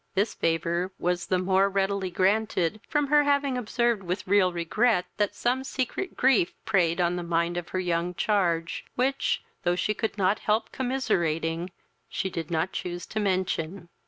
This favour was the more readily granted, from her having observed with real regret that some secret grief preyed on the mind of her young charge, which, though she could not help commiserating, she did not choose to mention.